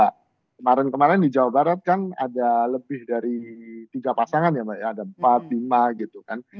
kemarin kemarin di jawa barat kan ada lebih dari tiga pasangan ya mbak ya ada empat lima gitu kan